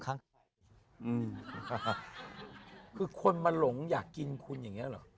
คือคนมาหลงอยากกินคุณอย่างนี้เหรอ